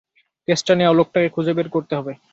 কেসটা নেওয়া লোকটাকে খুঁজে বের করতে হবে।